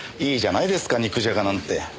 いいじゃないですか肉じゃがなんて。